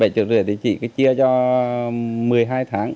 bảy triệu rưỡi thì chỉ chia cho một mươi hai tháng